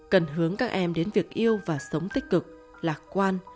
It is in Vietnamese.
cần hướng các em đến việc yêu và sống tích cực lạc quan